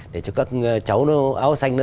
để cho các cháu áo xanh